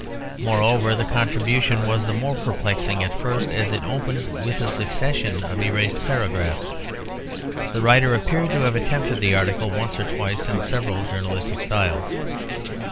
Moreover, the contribution was the more perplexing at first, as it opened with a succession of erased paragraphs. The writer appeared to have attempted the article once or twice in several journalistic styles.